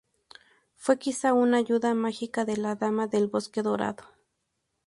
Fue quizá una ayuda mágica de la Dama del Bosque Dorado.